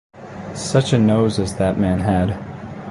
Such a nose as that man had!